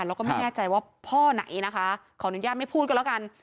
แล้วก็ไม่แน่ใจว่าพ่อไหนนะคะขออนุญาตไม่พูดก็แล้วกัน